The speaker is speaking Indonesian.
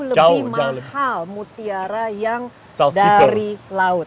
jadi jauh lebih mahal mutiara yang dari laut